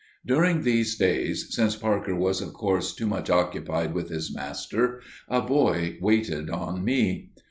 During these days, since Parker was of course too much occupied with his master, a boy waited on me.